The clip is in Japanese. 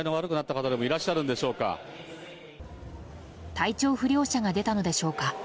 体調不良者が出たのでしょうか。